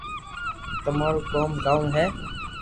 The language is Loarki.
تمارو ڪوم ڪاؤ ھي